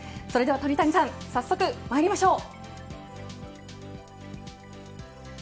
鳥谷さん、早速まいりましょう。